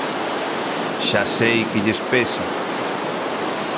Xa sei que lles pesa.